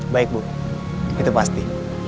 baik bu itu pasti